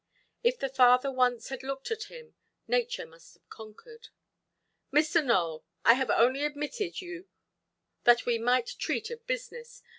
If the father once had looked at him, nature must have conquered. "Mr. Nowell, I have only admitted you that we might treat of business.